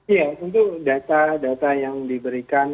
iya tentu data data yang diberikan